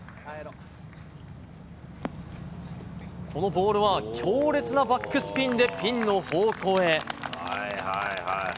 このボールは強烈なバックスピンでピンの方向へ。